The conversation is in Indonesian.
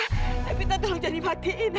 hei pita tolong jangan dibatiin